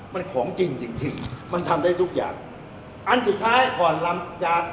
มันของจริงจริงมันทำได้ทุกอย่างอันสุดท้ายก่อนลำจาก